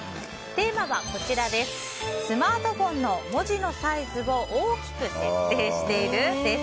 テーマはスマートフォンの文字のサイズを大きく設定している？です。